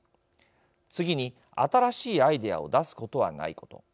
次に新しいアイデアを出すことはないこと。